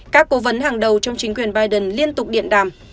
các cố vấn hàng đầu trong chính quyền biden liên tục điện đàm